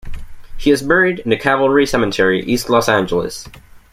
He is buried in the Calvary Cemetery, East Los Angeles.